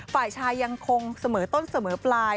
ฝ่ายชายยังคงเสมอต้นเสมอปลาย